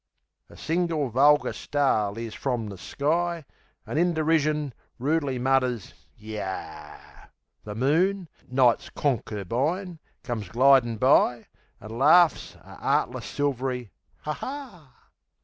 A single, vulgar star leers from the sky An' in derision, rudely mutters, "Yah!" The moon, Night's conkerbine, comes glidin' by An' laughs a 'eartless, silvery "Ha ha!"